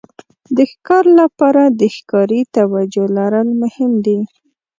د ښکار لپاره د ښکاري توجو لرل مهم دي.